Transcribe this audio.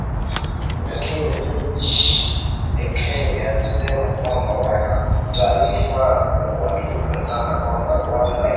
Lakini Brig Ekenge amesema kwamba wana taarifa za kuaminika sana kwamba Rwanda inaunga mkono waasi.